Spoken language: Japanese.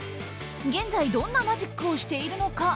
現在、どんなマジックをしているのか。